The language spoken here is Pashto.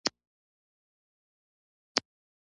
ویده دنیا بله نړۍ ښکاري